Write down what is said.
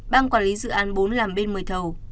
bang quản lý dự án bốn làm bên một mươi thầu